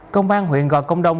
công an huyện gò công đông